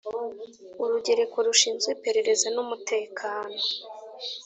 Urugereko rushinzwe Iperereza n Umutekano